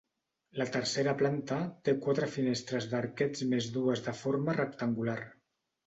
La tercera planta té quatre finestres d'arquets més dues de forma rectangular.